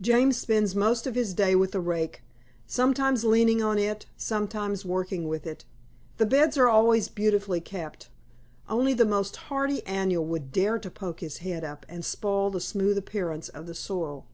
James spends most of his day with a rake sometimes leaning on it, sometimes working with it. The beds are always beautifully kept. Only the most hardy annual would dare to poke his head up and spoil the smooth appearance of the soil.